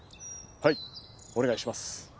はいお願いします。